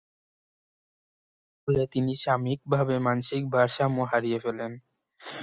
এর ফলে তিনি সাময়িকভাবে মানসিক ভারসাম্য হারিয়ে ফেলেন।